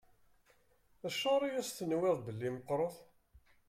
Acuɣer i as-tenwiḍ belli meqqṛet?